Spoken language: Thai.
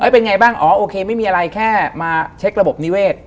เป็นไงบ้างอ๋อโอเคไม่มีอะไรแค่มาเช็คระบบนิเวศ